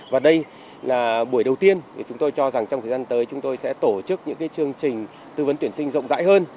và đây là buổi đầu tiên chúng tôi cho rằng trong thời gian tới chúng tôi sẽ tổ chức những chương trình tư vấn tuyển sinh rộng rãi hơn